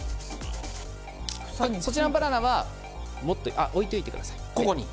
そちらのバナナは置いておいてください。